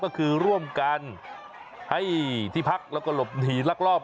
ก็คือร่วมกันให้ที่พักแล้วก็หลบหนีลักลอบ